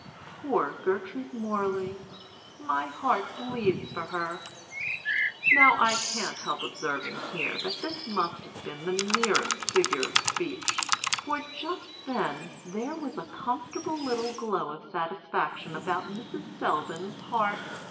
Poor Gertrude Morley! My heart bleeds for her." Now I can't help observing here that this must have been the merest figure of speech, for just then there was a comfortable little glow of satisfaction about Mrs. Selldon's heart.